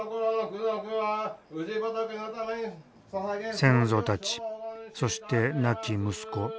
先祖たちそして亡き息子。